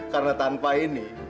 karena tanpa ini